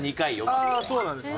ああそうなんですね。